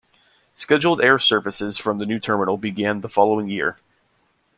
Scheduled air services from the new terminal began the following year.